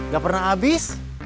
gak pernah abis